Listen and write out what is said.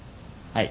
はい。